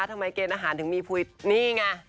ทำไมเกณฑ์อาหารถึงมีพุทธนี่ไง